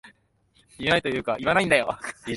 言えないというか言わないんだよ